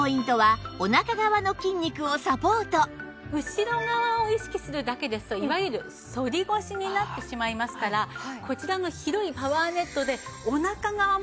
後ろ側を意識するだけですといわゆる反り腰になってしまいますからこちらの広いパワーネットでお腹側もサポートしています。